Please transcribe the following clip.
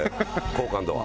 好感度は。